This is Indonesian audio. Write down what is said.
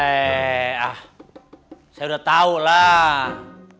eh ah saya udah tahu lah